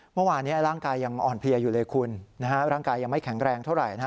เมื่อวานนี้ร่างกายยังอ่อนเพลียอยู่เลยคุณร่างกายยังไม่แข็งแรงเท่าไหร่